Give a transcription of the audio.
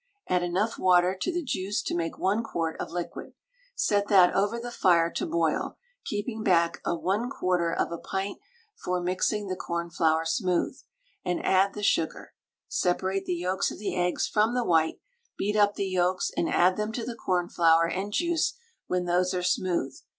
Add enough water to the juice to make 1 quart of liquid. Set that over the fire to boil (keeping back a 1/4 of a pint for mixing the cornflour smooth), and add the sugar. Separate the yolks of the eggs from the white; beat up the yolks and add them to the cornflour and juice when those are smooth.